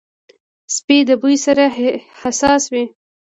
سپي د بوی سره حساس وي.